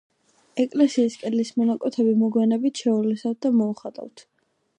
ეკლესიის კედლის მონაკვეთები მოგვიანებით შეულესავთ და მოუხატავთ.